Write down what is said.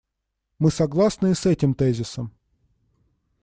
Мы согласны и с этим тезисом.